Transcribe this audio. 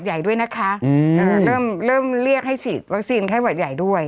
ใหญ่ด้วยนะคะอืมอ่าเริ่มเริ่มเรียกให้ฉีดวัคซีนไข้หวัดใหญ่ด้วย